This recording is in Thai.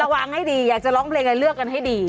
ค่ะเออระวังให้ดีอยากจะร้องเพลงเลือกกันให้ดี